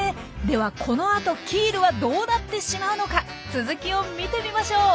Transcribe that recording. ではこの後キールはどうなってしまうのか続きを見てみましょう。